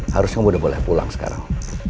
harusnya kamu udah boleh pulang sekarang